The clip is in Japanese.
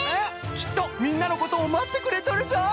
きっとみんなのことをまってくれとるぞい！